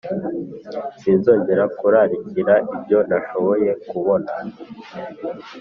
sinzongera kurarikira ibyo ntashoboye kubona